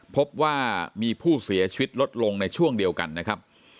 พบว่ามีผู้เสียชีวิตลดลงในช่วงเดียวกันนะครับ